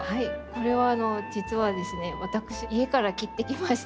これは実はですね私家から切ってきまして。